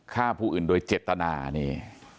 ฆ่าผู้อื่นโดยเจตนานี่